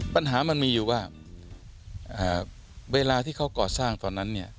ปัญหามันมีอยู่ว่าเวลาที่เขาก่อสร้างตอนนั้นเนี่ย